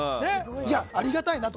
ありがたいなと。